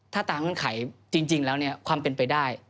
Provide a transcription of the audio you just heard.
ถ้าตามเงื่อนไขจริงแล้วเนี่ยความเป็นไปได้